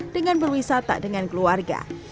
dengan berwisata dengan keluarga